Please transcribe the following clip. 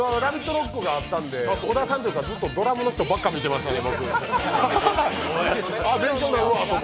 ＲＯＣＫがあったんで小田さんよりずっとドラムの人ばっかり見てましたね。